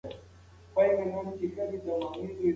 هغه له ما سره خبرې کول خوښوي.